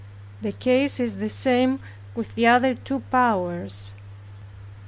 The case is the same with the other two powers.